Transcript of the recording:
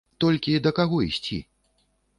Толькі да каго ісці?